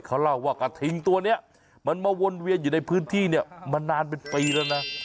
เขาเล่าว่ากระทิงตัวนี้มันมาวนเวียนอยู่ในพื้นที่เนี่ยมานานเป็นปีแล้วนะ